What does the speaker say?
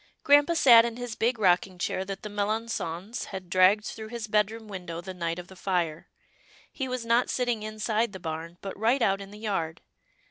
Grampa sat in his big rocking chair that the Melangons had dragged through his bed room win dow the night of the fire. He was not sitting inside the barn, but right out in the yard.